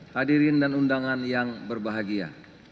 hadirin dan undangan yang berbahagia